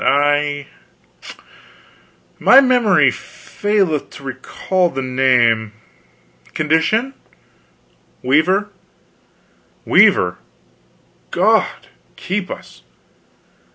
H'm I my memory faileth to recall the name. Condition?" "Weaver." "Weaver! God keep us!"